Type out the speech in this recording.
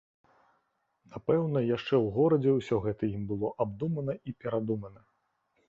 Напэўна, яшчэ ў горадзе ўсё гэта ім было абдумана і перадумана.